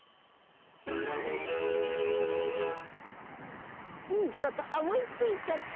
「ひらめき」いいことおもいついちゃった！